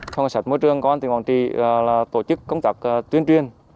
phòng cảnh sát môi trường công an tỉnh quảng trị tổ chức công tác tuyên truyền